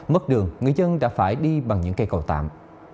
mất đường người dân đã phải đi bằng những cây cầu tạm